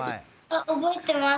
あ覚えてます。